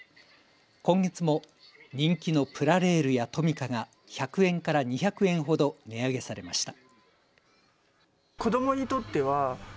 今月も人気のプラレールやトミカが１００円から２００円ほど値上げされました。